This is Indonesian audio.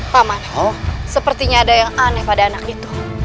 paman oh sepertinya ada yang aneh pada anak itu